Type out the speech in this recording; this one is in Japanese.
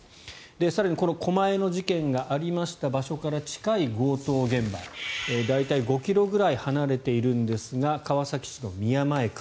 更に狛江の事件があった場所から近い強盗現場大体５ｋｍくらい離れているんですが川崎市の宮前区。